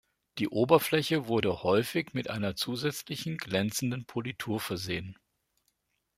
Die Oberfläche wurde häufig mit einer zusätzlichen, glänzenden Politur versehen.